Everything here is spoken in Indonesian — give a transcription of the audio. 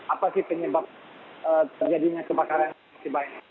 apa sih penyebab terjadinya kebakaran